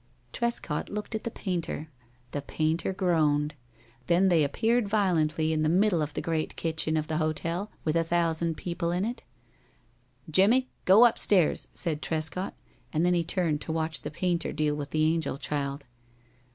Trescott looked at the painter; the painter groaned. Then they appeared violently in the middle of the great kitchen of the hotel with a thousand people in it. "Jimmie, go up stairs!" said Trescott, and then he turned to watch the painter deal with the angel child.